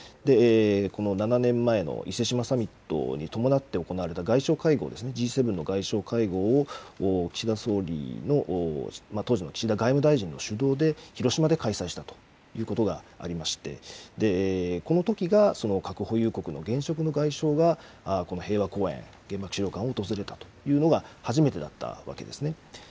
この７年前の伊勢志摩サミットに伴って行われた外相会合、Ｇ７の外相会合を岸田総理の、当時の岸田外務大臣の主導で広島で開催したということがありまして、このときがその核保有国の現職の外相がこの平和公園、原爆資料館を訪れたというのが初めてだったわけですね。